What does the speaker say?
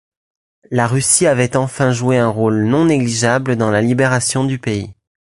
La Russie avait enfin joué un rôle non négligeable dans la libération du pays.